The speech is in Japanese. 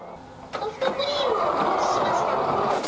ソフトクリームをお持ちいたしました。